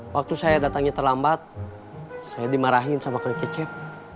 waktu saya datangnya terlambat saya dimarahin sama kang cecep